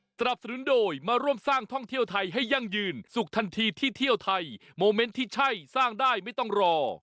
สนับสนุนโดยมาร่วมสร้างท่องเที่ยวไทยให้ยั่งยืนสุขทันทีที่เที่ยวไทยโมเมนต์ที่ใช่สร้างได้ไม่ต้องรอ